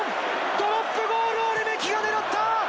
ドロップゴールをレメキが狙った！